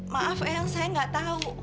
maaf eyang saya tidak tahu